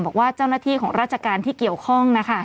บอกว่าเจ้าหน้าที่ของราชการที่เกี่ยวข้องนะคะ